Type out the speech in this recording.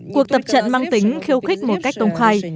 cuộc tập trận mang tính khiêu khích một cách công khai